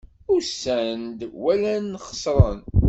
Usan-d, walan, xeṣren.